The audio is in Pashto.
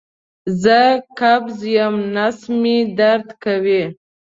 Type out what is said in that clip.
زه قبض یم نس مې درد کوي